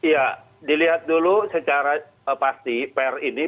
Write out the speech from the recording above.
ya dilihat dulu secara pasti per ini